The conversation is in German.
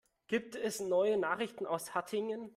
Gibt es neue Nachrichten aus Hattingen?